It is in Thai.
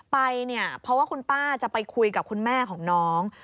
ไปเนี่ยเพราะว่าคุณป้าจะไปคุยกับคุณแม่ของน้อง